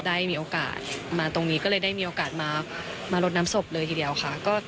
ได้มีโอกาสมาตรงนี้ก็เลยได้มีโอกาสมาลดน้ำศพเลยทีเดียวค่ะ